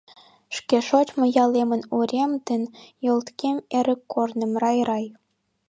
Шке шочмо ялемын урем ден Йолткем эрык корным — рай-рай.